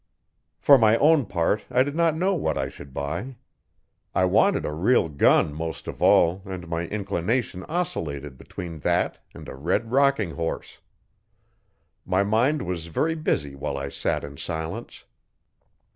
For my own part I did not know what I should buy. I wanted a real gun most of all and my inclination oscillated between that and a red rocking horse. My mind was very busy while I sat in silence.